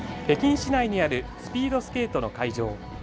北京市内にあるスピードスケートの会場。